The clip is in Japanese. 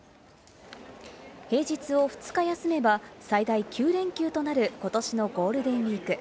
平日を２日休めば最大９連休となる今年のゴールデンウイーク。